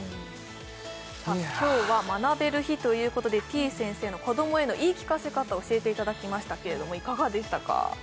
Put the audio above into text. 今日は学べる日ということでてぃ先生の子どもへの言い聞かせ方教えていただきましたけれどもいかがでしたか？